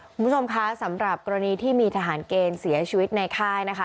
คุณผู้ชมคะสำหรับกรณีที่มีทหารเกณฑ์เสียชีวิตในค่ายนะคะ